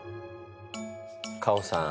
カホさん